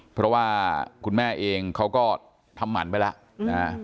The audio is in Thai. เพราะว่าคุณแม่เองเขาก็ทำหมันไปแล้วนะฮะ